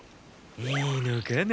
いいのか？